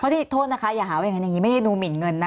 พอที่โทษนะคะอย่าหาว่าอย่างงี้ไม่ได้ไปนูมิ่นเงินนะ